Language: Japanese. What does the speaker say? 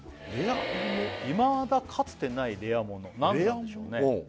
いまだかつてないレア物何なんでしょうね